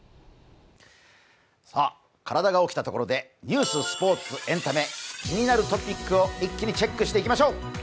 体が起きたところで、ニュース、スポーツ、エンタメ、気になるトピックを一気にチェックしていきましょう。